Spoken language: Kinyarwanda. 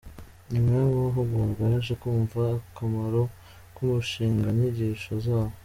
Nyuma y’amahugurwa, yaje kumva akamaro k’umushinga n’inyigisho zawo.